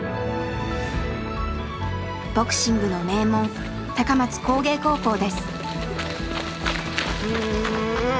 ボクシングの名門高松工芸高校です。